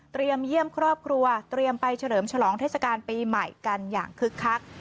เยี่ยมครอบครัวเตรียมไปเฉลิมฉลองเทศกาลปีใหม่กันอย่างคึกคัก